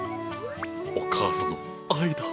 お母さんの愛だ。